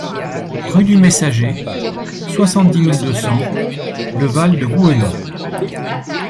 Rue du Messager, soixante-dix mille deux cents Le Val-de-Gouhenans